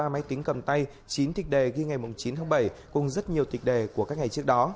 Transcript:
ba máy tính cầm tay chín kịch đề ghi ngày chín tháng bảy cùng rất nhiều tịch đề của các ngày trước đó